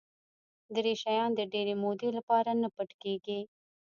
دری شیان د ډېرې مودې لپاره نه پټ کېږي.